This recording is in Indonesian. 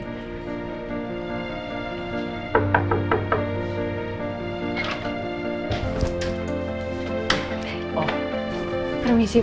aku nggak mungkin akan liat disini lagi